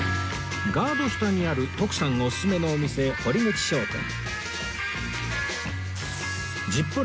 ガード下にある徳さんおすすめのお店ＺＩＰＰＯ